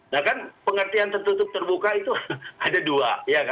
nah kan pengertian tertutup terbuka itu ada dua